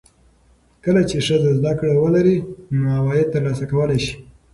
کله چې ښځه زده کړه ولري، نو عواید ترلاسه کولی شي.